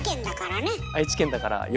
愛知県だからね。